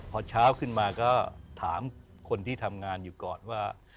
พอเช้าขึ้นมาก็ถามคนที่ทำงานอยู่ก่อนว่า